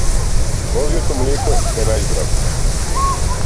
Козјото млеко е најздраво.